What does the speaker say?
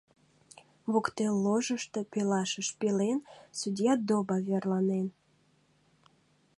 Воктел ложышто, пелашыж пелен, судья Доба верланен.